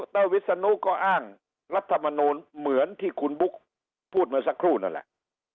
วิศนุก็อ้างรัฐมนูลเหมือนที่คุณบุ๊กพูดเมื่อสักครู่นั่นแหละ